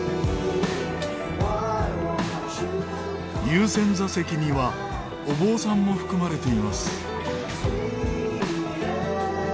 優先座席にはお坊さんも含まれています。